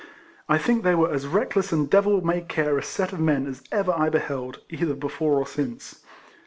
I think they were as reckless and devil may care a set of men as ever I beheld, either before or since.